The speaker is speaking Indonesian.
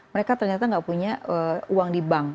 mereka ternyata nggak punya uang di bank